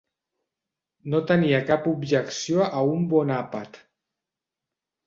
No tenia cap objecció a un bon àpat.